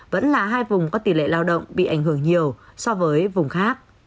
vẫn là hai vùng có tỷ lệ lao động bị ảnh hưởng nhiều so với vùng khác